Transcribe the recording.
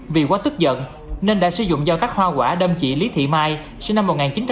vì quá tức giận nên đã sử dụng do các hoa quả đâm trị lý thị mai sinh năm một nghìn chín trăm chín mươi ba